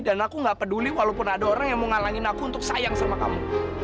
dan aku ga peduli walaupun ada orang yang mau ngalangin aku untuk sayang sama kamu